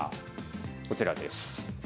こちらです。